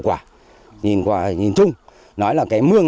và invitebourne touristies vào cuộc sáng